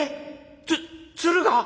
つ鶴が！？